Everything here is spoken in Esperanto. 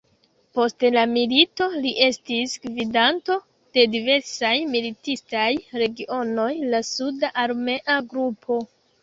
Post la milito li estis gvidanto de diversaj militistaj regionoj, la suda armea grupo.